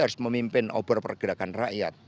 harus memimpin obor pergerakan rakyat